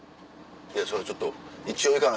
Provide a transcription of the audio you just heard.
そりゃちょっと一応行かな。